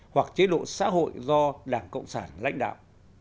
hoặc chế độ xã hội do đảng cộng sản lãnh đạo